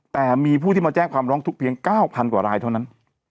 แต่มีผู้ที่มาแจ้งความร้องทุกข์เพียง๙๐๐กว่ารายเท่านั้น